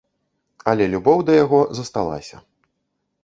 Але любоў да яго засталася.